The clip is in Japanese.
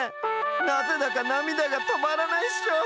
なぜだかなみだがとまらないっしょ！